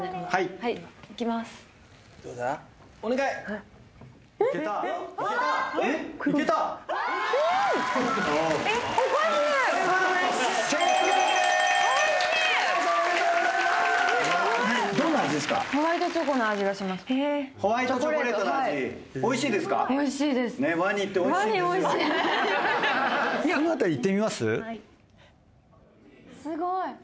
はい。